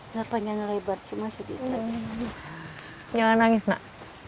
jangan ketinggalan sholat